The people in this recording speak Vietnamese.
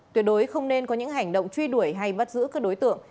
tuyệt đối không nên có những hành động truy đuổi hay bắt giữ các đối tượng